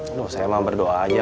aduh saya emang berdoa aja